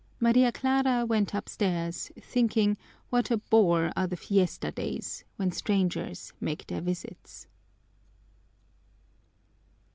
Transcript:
Maria Clara went upstairs thinking what a bore are the fiesta days, when strangers make their visits.